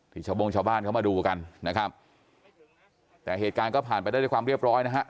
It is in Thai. ชาวบงชาวบ้านเขามาดูกันนะครับแต่เหตุการณ์ก็ผ่านไปได้ด้วยความเรียบร้อยนะฮะ